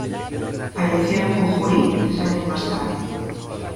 Falleció en Jujuy tres años más tarde.